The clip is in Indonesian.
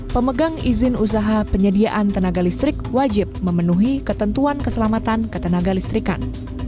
pemegang izin usaha penyediaan tenaga listrik wajib memenuhi ketentuan keselamatan ketenaga listrikan